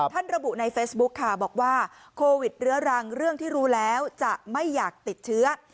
ระบุในเฟซบุ๊คค่ะบอกว่าโควิดเรื้อรังเรื่องที่รู้แล้วจะไม่อยากติดเชื้อ